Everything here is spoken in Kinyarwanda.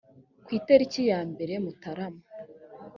ku itariki ya mbere mutarama